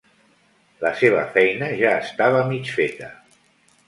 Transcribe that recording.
La seva feina ja estava mig feta.